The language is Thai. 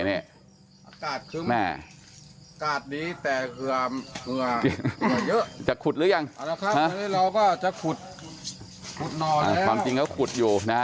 อากาศดีแต่เหลือเยอะจะขุดหรือยังเราก็จะขุดขุดนอนแล้วความจริงก็ขุดอยู่นะฮะ